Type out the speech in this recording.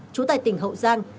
chú tài tỉnh hậu giang